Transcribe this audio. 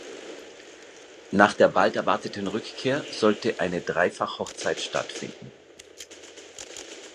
Nach der bald erwarteten Rückkehr sollte eine dreifach Hochzeit statt finden.